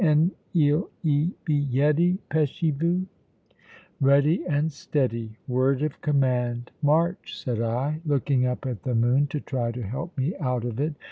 'Hen 'll 'e be yeady? Peshy voo." "Ready and steady: word of command! march!" said I, looking up at the moon, to try to help me out of it.